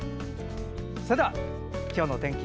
それでは今日のお天気